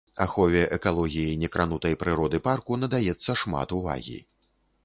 Ахове экалогіі некранутай прыроды парку надаецца шмат увагі.